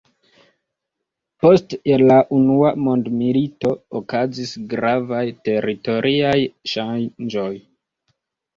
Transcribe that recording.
Post la unua mondmilito okazis gravaj teritoriaj ŝanĝoj.